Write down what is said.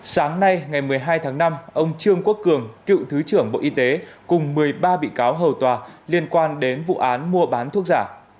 sáng nay ngày một mươi hai tháng năm ông trương quốc cường cựu thứ trưởng bộ y tế cùng một mươi ba bị cáo hầu tòa liên quan đến vụ án mua bán thuốc giả